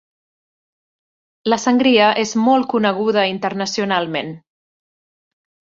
La sangria és molt coneguda internacionalment.